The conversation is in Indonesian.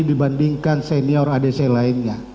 dibandingkan senior adc lainnya